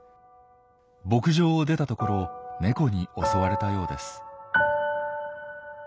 牧場を出たところをネコに襲われたようです。